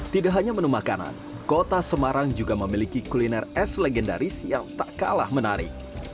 tidak hanya menu makanan kota semarang juga memiliki kuliner es legendaris yang tak kalah menarik